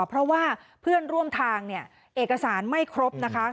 เพราะว่าเพื่อนร่วมทางเนี่ยเอกสารไม่ครบนะคะ